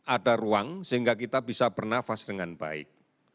ada ruang sehingga kita bisa bernafas dengan baik